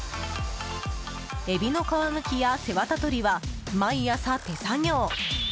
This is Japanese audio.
エビの皮むきや背ワタ取りは毎朝、手作業。